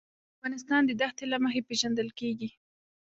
افغانستان د دښتې له مخې پېژندل کېږي.